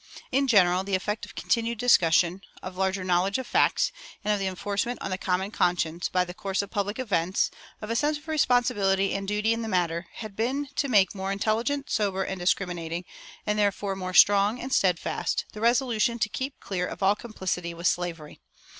In general, the effect of continued discussion, of larger knowledge of facts, and of the enforcement on the common conscience, by the course of public events, of a sense of responsibility and duty in the matter, had been to make more intelligent, sober, and discriminating, and therefore more strong and steadfast, the resolution to keep clear of all complicity with slavery.